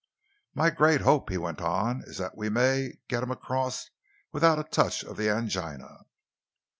My great hope," he went on, "is that we may get him across without a touch of the angina."